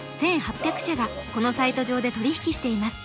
１，８００社がこのサイト上で取り引きしています。